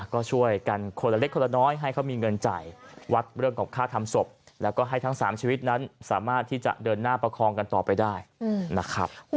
ก็ช่วยกันคนละเล็กคนละน้อยให้เขามีเงินจ่ายวัดเรื่องของค่าทำศพแล้วก็ให้ทั้ง๓ชีวิตนั้นสามารถที่จะเดินหน้าประคองกันต่อไปได้นะครับ